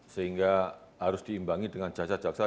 sehingga harus diimbangi dengan jaksa jaksa